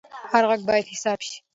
هر غږ باید حساب شي